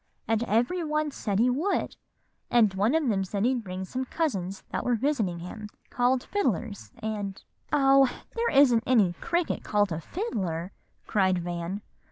And every one said he would; and one of them said he'd bring some cousins that were visiting him, called fiddlers, and" "Oh! there isn't any cricket called a fiddler," cried Van.